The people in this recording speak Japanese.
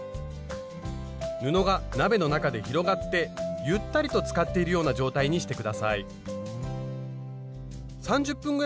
布が鍋の中で広がってゆったりとつかっているような状態にして下さい。